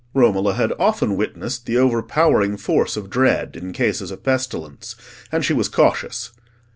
Romola had often witnessed the overpowering force of dread in cases of pestilence, and she was cautious.